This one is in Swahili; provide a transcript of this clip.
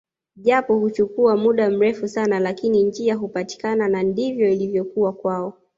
Japo huchukua muda mrefu sana lakini njia hupatikana na ndivyo ilivyokuwa kwao